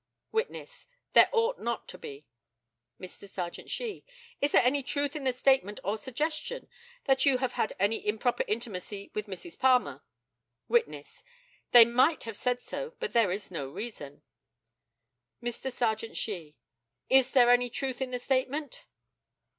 Witness: There ought not to be. Mr. Serjeant SHEE: Is there any truth in the statement or suggestion that you have had any improper intimacy with Mrs. Palmer? Witness: They might have said so, but there is no reason. Mr. Serjeant SHEE: Is there any truth in the statement?